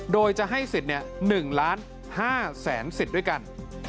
โดยจะให้สิทธิ์๑ล้าน๕แสนสิทธิ์ด้วยกัน